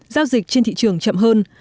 giao dịch trên thị trường chậm hơn